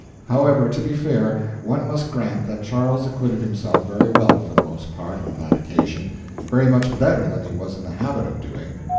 However, to be fair, one must grant that Charles acquitted himself very well for the most part, on that occasion—very much better than he was in the habit of doing.